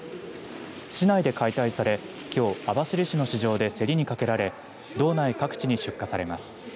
市内で解体されきょう、網走市の市場で競りにかけられ道内各地に出荷されます。